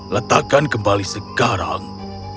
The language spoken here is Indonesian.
letakkan kembali sekarang